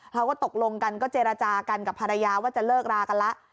เราก็ตกลงกันก็เจรจากันกับภรรยาว่าจะเลิกรากันแล้ว